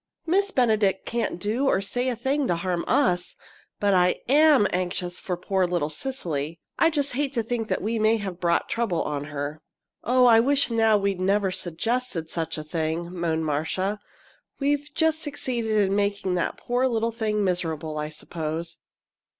Miss Benedict can't do or say a thing to harm us! But I am anxious for poor little Cecily. I just hate to think we may have brought trouble on her." "Oh, I wish now we'd never suggested such a thing!" moaned Marcia. "We've just succeeded in making that poor little thing miserable, I suppose."